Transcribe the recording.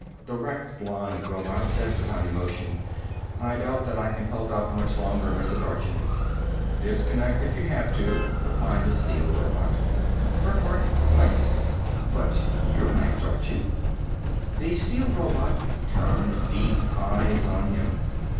The wrecked blonde robot said, without emotion, "I doubt that I can hold out much longer, Mr. Dorchin." "Disconnect if you have to," replied the steel robot. Burckhardt blinked. "But you're not Dorchin!" The steel robot turned deep eyes on him.